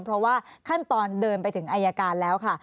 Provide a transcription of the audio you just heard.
เพราะว่าขั้นตอนเดินไปถึงอายการแล้วค่ะ